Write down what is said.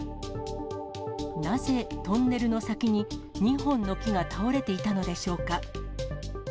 なぜトンネルの先に２本の木が倒れていたのでしょうか。